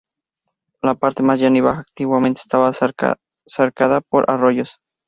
La parte más llana y baja antiguamente estaba surcada por arroyos.